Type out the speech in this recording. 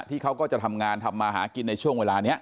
เขาก็จะทำงานทำมาหากินในช่วงเวลานี้